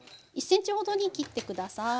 １ｃｍほどに切って下さい。